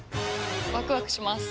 ワクワクします。